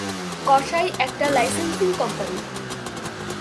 কসাই, একটা licensing company.